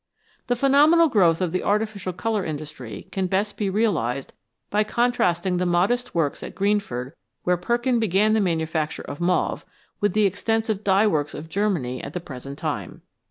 The phenomenal growth of the artificial colour industry can best be realised by contrasting the modest works at Greenford, where Perkin began the manufacture of mauve, with the extensive dye works of Germany at the present time.